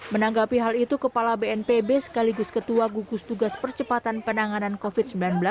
menanggapi hal itu kepala bnpb sekaligus ketua gugus tugas percepatan penanganan covid sembilan belas